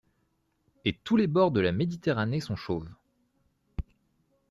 Et tous les bords de la Méditerranée sont chauves.